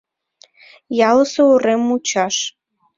Ялысе урем мучаш.